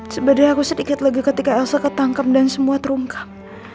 sebenarnya aku sedikit lagi ketika elsa ketangkep dan semua terungkap